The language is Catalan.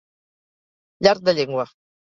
Llarg de llengua.